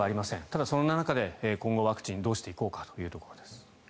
ただそんな中でワクチンをどうしていこうかというところです。